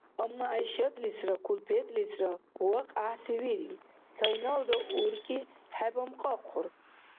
Амма ГӀяйшатлисра кулпетлисра вахъ гӀяхӀси вири. Цайналра уркӀи хӀебамкьахъур.